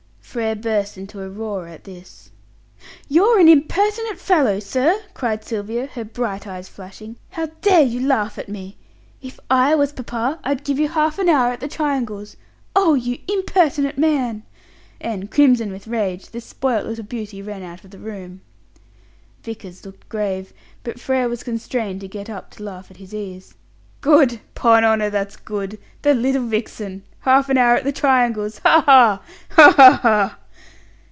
Frere burst into a roar at this. "You're an impertinent fellow, sir!" cried Sylvia, her bright eyes flashing. "How dare you laugh at me? If I was papa, I'd give you half an hour at the triangles. Oh, you impertinent man!" and, crimson with rage, the spoilt little beauty ran out of the room. Vickers looked grave, but Frere was constrained to get up to laugh at his ease. "Good! 'Pon honour, that's good! The little vixen! Half an hour at the triangles! Ha ha! ha, ha, ha!"